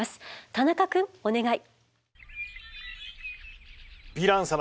田中くんお願い！